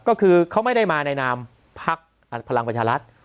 ก็คือเขาไม่ได้มาในนามพักพลังประชารัฐ